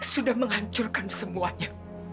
sudah menghancurkan semua orangnya